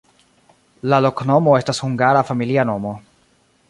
La loknomo estas hungara familia nomo.